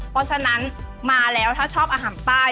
เพราะฉะนั้นมาแล้วถ้าชอบอาหารใต้